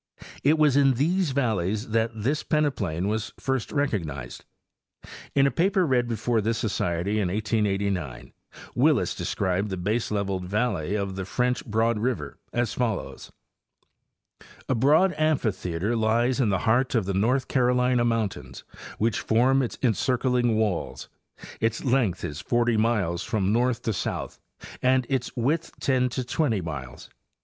It was in these valleys that this peneplain was first recognized. Ina paper read before this Society in 1889 Willis described the baseleveled valley of the French Broad river as follows :+ A broad amphitheater lies in the heart of the North Carolina moun tains which form its encircling walls; its length is forty miles from north to south and its width ten to twenty miles.